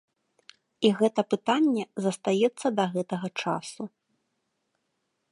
І гэта пытанне застаецца да гэтага часу.